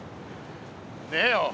ねえよ。